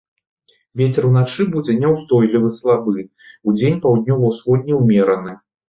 Вецер уначы будзе няўстойлівы слабы, удзень паўднёва-ўсходні ўмераны.